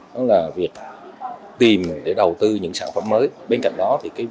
đó là việc tìm để đầu tư những sản phẩm mới